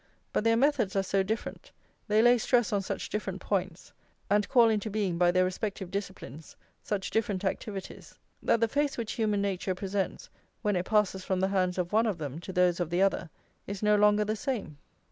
But their methods are so different, they lay stress on such different points, and call into being by their respective disciplines such different activities, that the face which human nature presents when it passes from the hands of one of them to those of the other, is no longer the same.